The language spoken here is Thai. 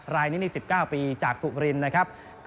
รายนี้นี่๑๙ปีจากสุรินนะครับ